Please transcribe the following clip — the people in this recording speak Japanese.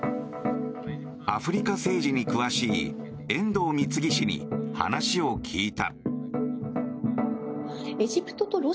アフリカ政治に詳しい遠藤貢氏に話を聞いた。